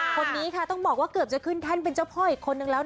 คนนี้ค่ะต้องบอกว่าเกือบจะขึ้นแท่นเป็นเจ้าพ่ออีกคนนึงแล้ว